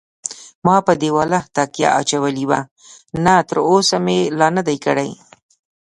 ما پر دېواله تکیه اچولې وه، نه تراوسه مې لا نه دی کړی.